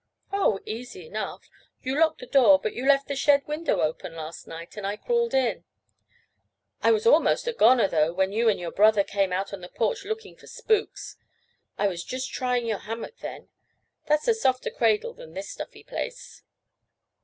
"Oh, easy enough. You locked the door, but you left the shed window open last night, and I crawled in. I was almost a goner, though, when you and your brother came out on the porch looking for spooks. I was just trying your hammock then. That's a softer cradle than this stuffy place."